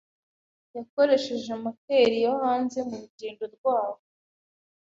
yakoresheje moteri yo hanze murugendo rwabo.